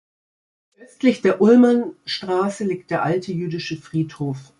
Östlich der Ulmenstraße liegt der alte jüdische Friedhof.